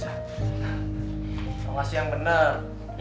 kamu kasih yang benar